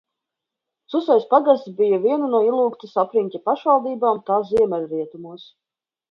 Susējas pagasts bija viena no Ilūkstes apriņķa pašvaldībām tā ziemeļrietumos.